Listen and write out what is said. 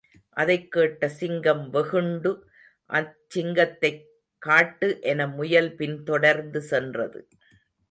அதைக் கேட்ட சிங்கம் வெகுண்டு, அச்சிங்கத்தைக் காட்டு என முயல் பின் தொடர்ந்து சென்றது.